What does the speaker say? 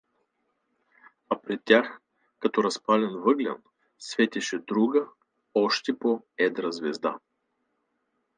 А пред тях, като разпален въглен, светеше друга, още по-едра звезда.